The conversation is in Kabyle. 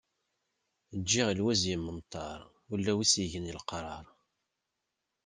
Ǧǧiɣ lwiz yemmenṭar, ula win as-yegan leqrar.